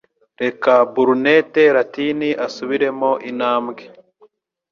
reka Brunet Latini asubiremo intambwe